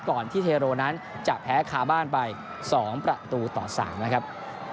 ก่อนที่เทโรนั้นจะแพ้คาบ้านไป๒ประตูต่อ๓นะครับ